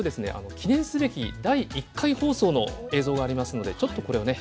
記念すべき第１回放送の映像がありますのでちょっとこれをね